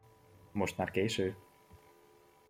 Most már késő!